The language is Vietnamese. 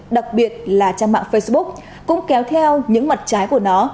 đặc biệt là trang mạng facebook cũng kéo theo những mặt trái của nó